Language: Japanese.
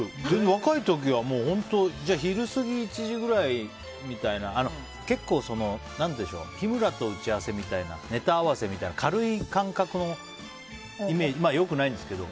若い時は昼過ぎ、１時ぐらいみたいな結構、日村と打ち合わせみたいなネタ合わせみたいな軽い感覚のイメージ良くないんですけど。